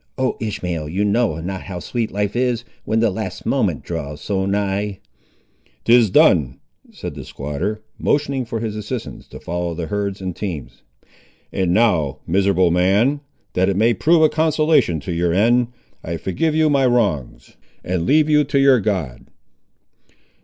Oh, Ishmael, you know not how sweet life is, when the last moment draws so nigh!" "'Tis done," said the squatter, motioning for his assistants to follow the herds and teams. "And now, miserable man, that it may prove a consolation to your end, I forgive you my wrongs, and leave you to your God."